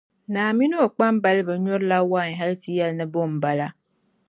Naa mini o kpambaliba nyurila wain hal ti yɛli ni bo m-bala.